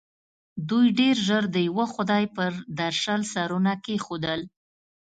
دوی ډېر ژر د یوه خدای پر درشل سرونه کېښول.